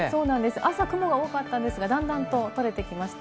朝、雲が多かったんですが、だんだんと晴れてきました。